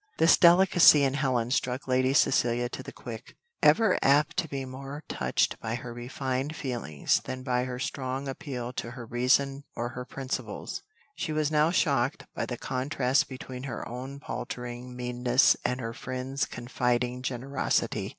This delicacy in Helen struck Lady Cecilia to the quick. Ever apt to be more touched by her refined feelings than by any strong appeal to her reason or her principles, she was now shocked by the contrast between her own paltering meanness and her friend's confiding generosity.